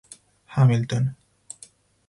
Hamilton.